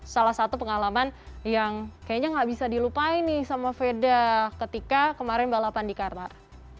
salah satu pengalaman yang kayaknya gak bisa dilupain nih sama veda ketika kemarin balapan di qatar